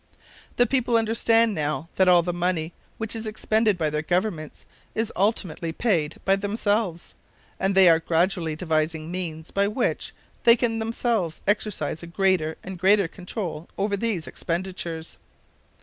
The people understand now that all the money which is expended by their governments is ultimately paid by themselves, and they are gradually devising means by which they can themselves exercise a greater and greater control over these expenditures.